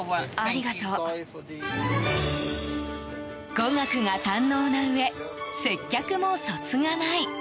語学が堪能なうえ接客もそつがない。